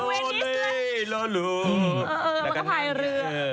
เออมันก็พายเรือ